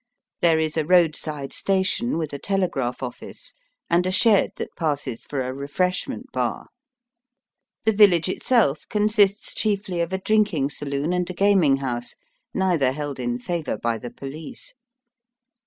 There is a roadside station with a telegraph office, and a shed that passes for a refreshment bar. The village itseK consists chiefly of a drinking saloon and a gaming house, neither held in favour by the police.